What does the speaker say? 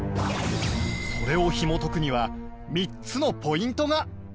それをひもとくには３つのポイントが！